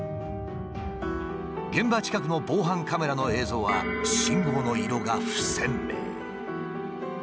現場近くの防犯カメラの映像は信号の色が不鮮明。